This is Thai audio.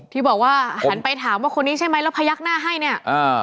ที่บอกว่าหันไปถามว่าคนนี้ใช่ไหมแล้วพยักหน้าให้เนี่ยอ่า